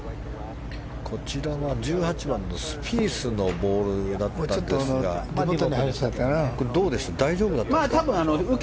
こちらは１７番のスピースのボールだったんですが大丈夫でしょうか？